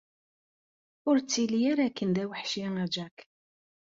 Ur ttili ara akken d aweḥci a Jack.